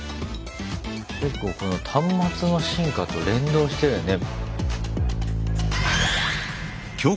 結構この端末の進化と連動してるよね。